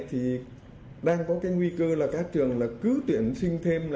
thì đang có cái nguy cơ là các trường cứ tuyển sinh thêm